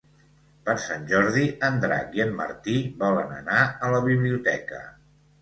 Per Sant Jordi en Drac i en Martí volen anar a la biblioteca.